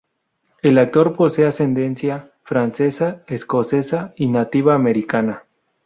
El actor posee ascendencia francesa, escocesa y nativa americana.